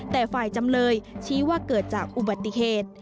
แต่ฝ่ายจำเลยชี้ว่าเกิดจากอุบัติเหตุ